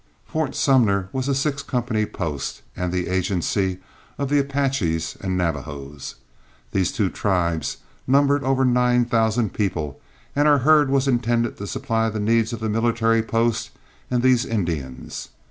Fort Sumner was a six company post and the agency of the Apaches and Navajos. These two tribes numbered over nine thousand people, and our herd was intended to supply the needs of the military post and these Indians.